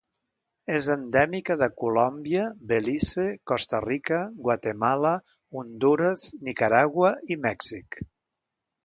És endèmica de Colòmbia, Belize, Costa Rica, Guatemala, Hondures, Nicaragua, i Mèxic.